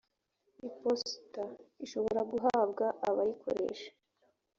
iposita ishobora guhabwa abayikoresha